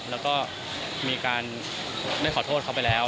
แล้วก็มีการได้ขอโทษเขาไปแล้ว